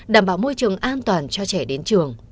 đảm bảo môi trường an toàn cho trẻ đến trường